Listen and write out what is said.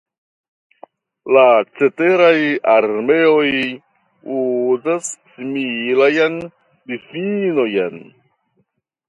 La ceteraj armeoj uzas similajn difinojn.